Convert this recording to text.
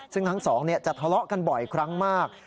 ซึ่งทั้งสองจะทะเลาะกันบ่อยครั้งมาก